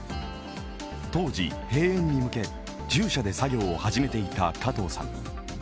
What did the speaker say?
当時、閉園に向け獣舎で作業を始めていた加藤さん。